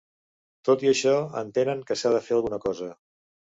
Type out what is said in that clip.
Tot i això, entenen que s’ha de fer alguna cosa.